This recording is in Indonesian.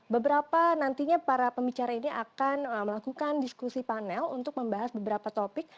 beberapa nantinya para pembicara ini akan melakukan diskusi panel untuk membahas beberapa topik